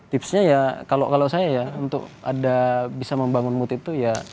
tipsnya ya kalau saya ya untuk ada bisa membangun mood itu ya